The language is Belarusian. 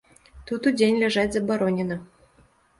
Тут удзень ляжаць забаронена.